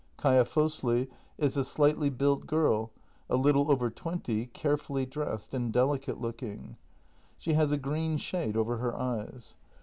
Kaia Fosli is a slightly built girl, a little over twenty, carefully dressed, and delicate looking. She has a green shade over her eyes.